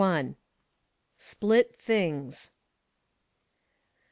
•'SPLIT THINGS."